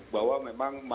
bahwa memang maksudnya